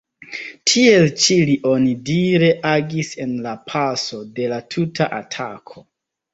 Tiel ĉi li onidire agis en la paso de la tuta atako.